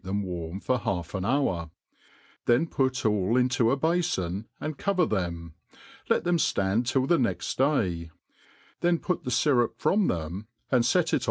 them warm. for half an hour; then put all into a bafon, and cover them, let them ftand till *the next day ; then put the fyrup from them, and fet it.